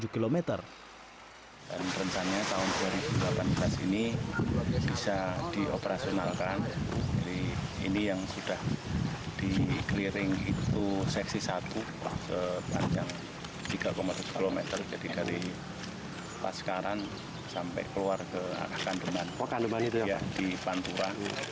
tiga tujuh km jadi dari pasekaran sampai keluar ke kandeman di pantura